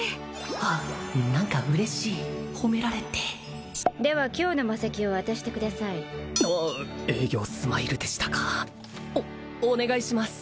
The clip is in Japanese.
あ何か嬉しい褒められてでは今日の魔石を渡してくださいあ営業スマイルでしたかおお願いします